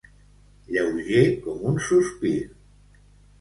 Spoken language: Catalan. Lleuger com un sospir.